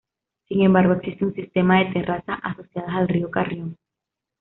Sin embargo existe un sistema de terrazas asociadas al río Carrión.